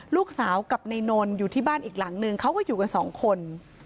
ลูกสาวกับนายนนท์อยู่ที่บ้านอีกหลังนึงเขาก็อยู่กันสองคน